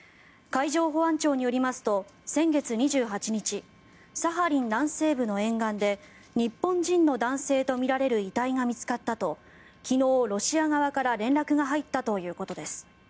海上保安庁によりますと先月２８日サハリン南西部の沿岸で日本人の男性とみられる遺体が見つかったと昨日、ロシア側から連絡が入ったということです。